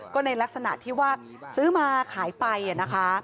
ก็ในลักษณะที่ว่าซื้อมาขายไปนะคะ